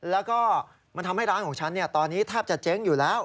แล้วก็มันทำให้ร้านของฉันตอนนี้แทบจะเจ๊งอยู่แล้ว